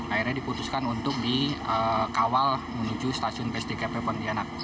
akhirnya diputuskan untuk dikawal menuju stasiun psdkp pontianak